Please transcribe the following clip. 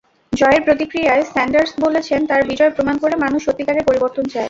জয়ের প্রতিক্রিয়ায় স্যান্ডার্স বলেছেন, তাঁর বিজয় প্রমাণ করে, মানুষ সত্যিকারের পরিবর্তন চায়।